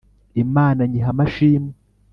imana nyiha amashimwe